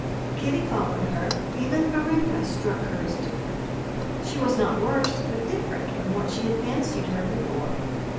Kitty followed her. Even Varenka struck her as different. She was not worse, but different from what she had fancied her before.